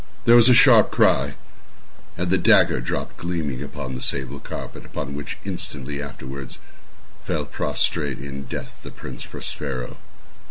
There was a sharp cry—and the dagger dropped gleaming upon the sable carpet, upon which, instantly afterwards, fell prostrate in death the Prince Prospero.